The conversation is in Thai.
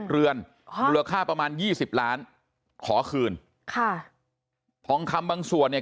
เรือนมูลค่าประมาณยี่สิบล้านขอคืนค่ะทองคำบางส่วนเนี่ย